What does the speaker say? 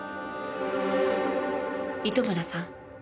糸村さん。